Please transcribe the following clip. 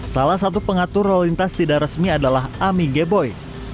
salah satu pengatur lalu lintas tidak resmi adalah ami geboi